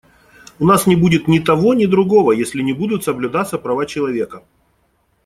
У нас не будет ни того, ни другого, если не будут соблюдаться права человека.